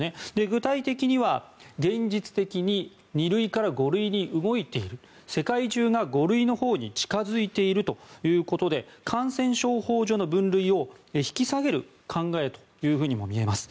具体的には、現実的に２類から５類に動いている世界中が５類のほうに近付いているということで感染症法上の分類を引き下げる考えというふうにも見えます。